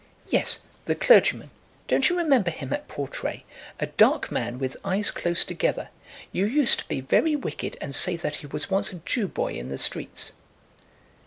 "Yes; the clergyman. Don't you remember him at Portray? A dark man with eyes close together! You used to be very wicked, and say that he was once a Jew boy in the streets."